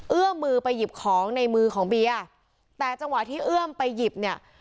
เอื้อมมือไปหยิบของในมือของเบียร์แต่จังหวะที่เอื้อมไปหยิบเนี่ย